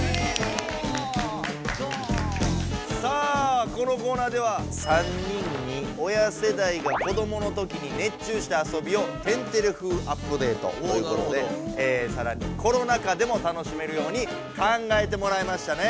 さあこのコーナーでは３人に親世代が子どものときに熱中した遊びを「天てれ風アップデート！」ということでさらにコロナ禍でも楽しめるように考えてもらいましたね。